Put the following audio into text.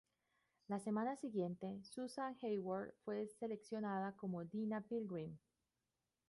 La semana siguiente, Susan Heyward fue seleccionada como Deena Pilgrim.